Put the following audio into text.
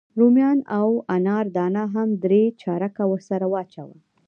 رومیان او انار دانه هم درې چارکه ورسره واچوه.